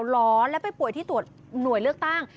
เหรอแล้วไปป่วยที่ตรวจหน่วยเลือกตั้ง